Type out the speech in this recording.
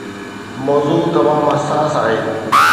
موضوع تمام حساس آهي.